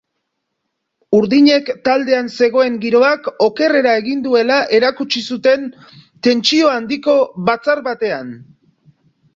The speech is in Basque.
Urdinek taldean zegoen giroak okerrera egin duela erakutsi zuten tentsio handiko batzar batean.